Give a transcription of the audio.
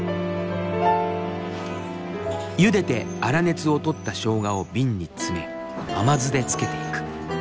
ゆでて粗熱を取ったしょうがを瓶に詰め甘酢で漬けていく。